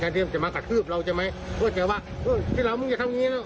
แท้ที่มันจะมากระทืบเราใช่ไหมเพราะจะว่าที่เรามึงจะทำอย่างนี้เนอะ